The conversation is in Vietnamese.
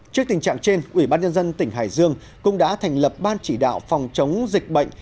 trước tình trạng trên ủy ban nhân dân tỉnh hải dương cũng đã thành lập ban chỉ đạo phòng chống dịch bệnh